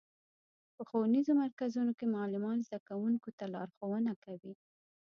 په ښوونیزو مرکزونو کې معلمان زدهکوونکو ته لارښوونه کوي.